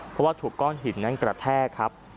เพราะว่าถูกก้อนหินนั้นกระแทกครับ